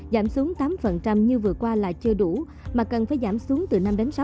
giảm xuống tám như vừa qua là chưa đủ mà cần phải giảm xuống từ năm sáu